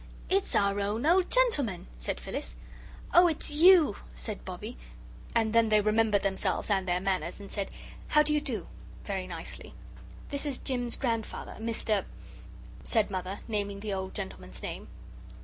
"It's our own old gentleman!" said Phyllis. "Oh, it's you!" said Bobbie. And then they remembered themselves and their manners and said, "How do you do?" very nicely. "This is Jim's grandfather, Mr. " said Mother, naming the old gentleman's name.